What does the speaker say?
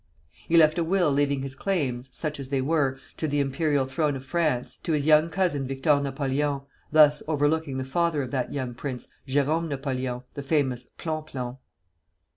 He left a will leaving his claims (such as they were) to the imperial throne of France to his young cousin Victor Napoleon, thus overlooking the father of that young prince, Jérôme Napoleon, the famous Plon Plon.